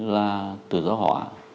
là tự do họa